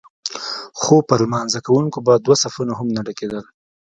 خو پر لمانځه کوونکو به دوه صفونه هم نه ډکېدل.